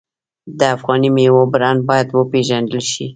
د افغاني میوو برنډ باید وپیژندل شي.